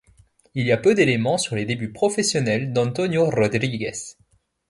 Il y a peu d'éléments sur les débuts professionnels d'António Rodrigues.